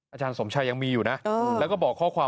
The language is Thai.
อาจารย์สมชัยยังมีอยู่นะ